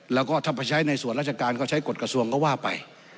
แล้วก็ถ้าไปใช้ในส่วนราชการก็ใช้กฎกระทรวงก็ว่าไป